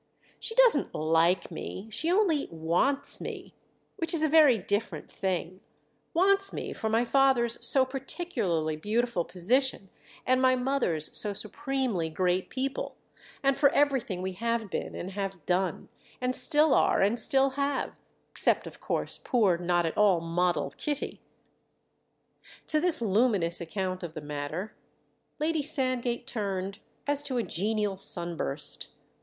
"She doesn't 'like' me, she only wants me—which is a very different thing; wants me for my father's so particularly beautiful position, and my mother's so supremely great people, and for everything we have been and have done, and still are and still have: except of course poor not at all model Kitty." To this luminous account of the matter Lady Sand gate turned as to a genial sun burst.